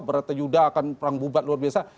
berata yudha akan perang bubat luar biasa